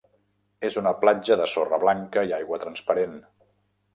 És una platja de sorra blanca i aigua transparent.